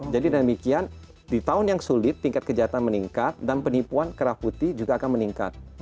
jadi demikian di tahun yang sulit tingkat kejahatan meningkat dan penipuan kera putih juga akan meningkat